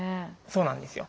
そうなんですよ。